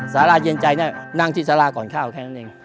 สาราเย็นใจเนี่ยนั่งที่สาราก่อนข้าวแค่นั้นเอง